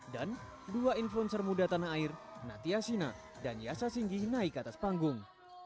dan dua influencer muda tanah air natia sina dan yasha singgi naik atas panggung